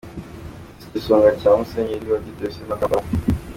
Igisonga cya Musenyeri wa Diyosezi ya Kampala, Dr.